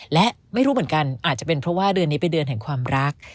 และไม่รู้เหมือนกันอาจจะเป็นเพราะว่าเดือนนี้เป็นเดือนแห่งความรัก